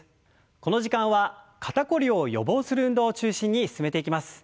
この時間は肩凝りを予防する運動を中心に進めていきます。